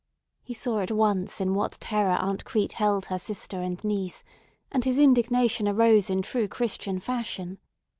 He saw at once in what terror Aunt Crete held her sister and niece, and his indignation arose in true Christian fashion.